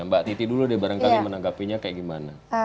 mbak titi dulu deh barangkali menanggapinya kayak gimana